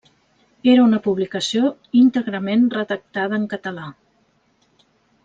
Era una publicació íntegrament redactada en català.